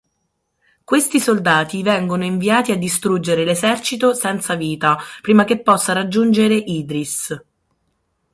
Questi soldati vengono inviati a distruggere l'esercito senza vita prima che possa raggiungere Idris.